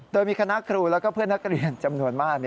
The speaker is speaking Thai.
โดยมีคณะครูและเพื่อนนักเรียนจำนวนมาก